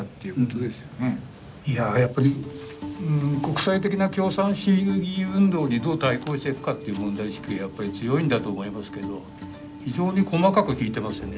やっぱり国際的な共産主義運動にどう対抗していくかっていう問題意識がやっぱり強いんだと思いますけど非常に細かく聞いてますよね